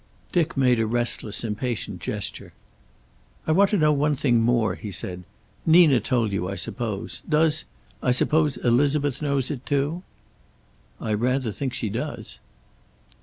Dick made a restless, impatient gesture. "I want to know one thing more," he said. "Nina told you, I suppose. Does I suppose Elizabeth knows it, too?" "I rather think she does."